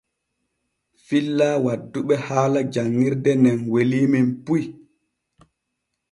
Filla wadduɓe haala janŋirde nen weliimen puy.